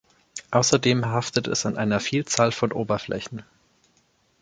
Außerdem haftet es an einer Vielzahl von Oberflächen.